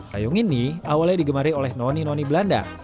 payung ini awalnya digemari oleh noni noni belanda